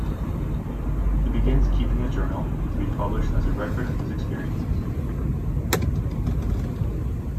He begins keeping a journal, to be published as a record of his experiences.